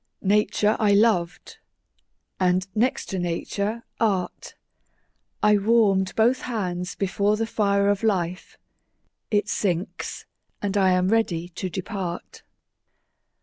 Nature I loved and, next to Nature, Art: I warm'd both hands before the fire of life; It sinks, and I am ready to depart.